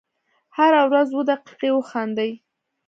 هره ورځ اووه دقیقې وخاندئ .